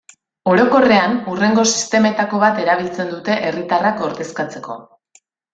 Orokorrean, hurrengo sistemetako bat erabiltzen dute herritarrak ordezkatzeko.